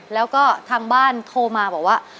แล้วก็ทางบ้านโทรมาบอกว่า